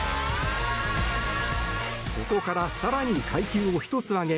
そこから更に階級を１つ上げ